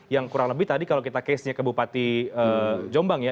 yang kurang lebih tadi kalau kita case nya ke bupati jombang ya